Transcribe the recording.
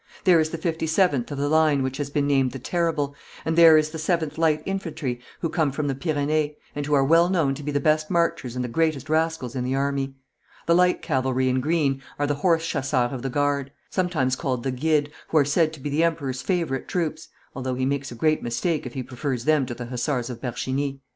There is the 57th of the line, which has been named "The Terrible," and there is the 7th Light Infantry, who come from the Pyrenees, and who are well known to be the best marchers and the greatest rascals in the army. The light cavalry in green are the Horse Chasseurs of the Guard, sometimes called the Guides, who are said to be the Emperor's favourite troops, although he makes a great mistake if he prefers them to the Hussars of Bercheny.